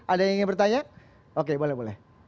ada yang ingin bertanya oke boleh boleh